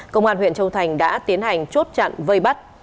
công an huyện châu thành đã tiến hành chốt chặn vây bắt